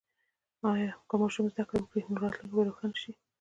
که ماشوم زده کړه وکړي، نو راتلونکی به روښانه شي.